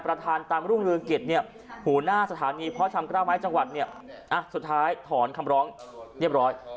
เพราะทำกระต่อไม้จังหวัดเนี่ยสุดท้ายถอนคำร้องเรียบร้อย